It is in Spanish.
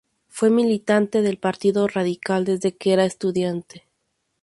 Fue militante del Partido Radical desde que era estudiante.